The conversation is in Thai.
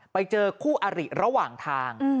ไปเจอคู่อริระหว่างทาง